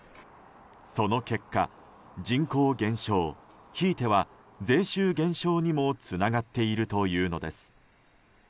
その結果、人口減少ひいては税収減少にもつながっているというのです。